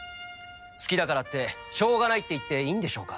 好きだからってしょうがないって言っていいんでしょうか？